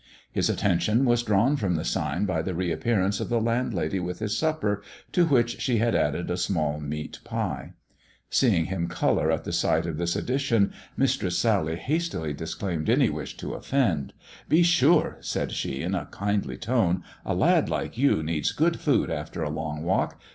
His attention was drawn from the sign by the reappear ance of the landlady with his supper, to which she had added a small meat pie. Seeing him colour at the sight of this addition. Mistress Sally hastily disclaimed any wish to offend. But sure," said she in a kindly tone, " a lad like you needs good food after a long walk.